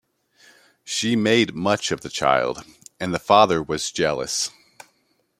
She made much of the child, and the father was jealous.